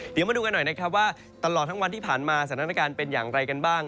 เดี๋ยวมาดูกันหน่อยนะครับว่าตลอดทั้งวันที่ผ่านมาสถานการณ์เป็นอย่างไรกันบ้าง